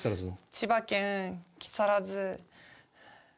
千葉県木更津。